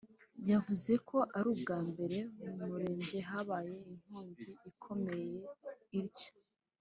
yavuze ko ari ubwa mbere mu murenge habaye inkongi ikomeye itya